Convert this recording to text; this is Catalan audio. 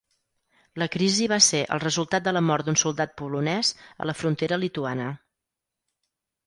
La crisi va ser el resultat de la mort d'un soldat polonès a la frontera lituana.